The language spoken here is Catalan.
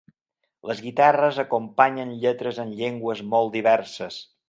Les guitarres acompanyen lletres en llengües molt diverses.